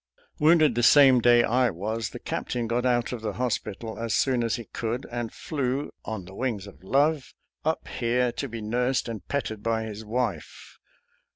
Wounded the same day I was, the Captain got out of the hospital as soon as he could, and flew "on the wings of love" up here, to be nursed and petted by his wife.